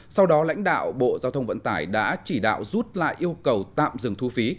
sau đó lãnh đạo bộ giao thông vận tải đã chỉ đạo rút lại yêu cầu tạm dừng thu phí